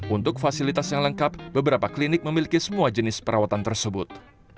untuk fasilitas yang lengkap beberapa klinik memiliki semua jenis perawatan tersebut